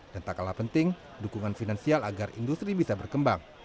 dan tak kalah penting dukungan finansial agar industri bisa berkembang